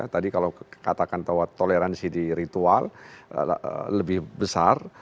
tadi kalau katakan bahwa toleransi di ritual lebih besar